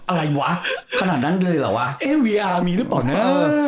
อะไรหวะขนาดนั้นเลยเหรอวะเอ๊บรรย์อารมีหรือเปล่าน่า